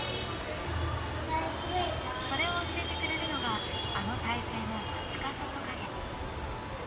それを教えてくれるのがあの胎生のマツカサトカゲ。